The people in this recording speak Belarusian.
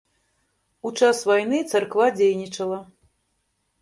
У час вайны царква дзейнічала.